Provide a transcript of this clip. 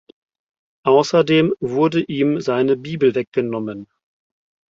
Außerdem wurde ihm seine Bibel weggenommen.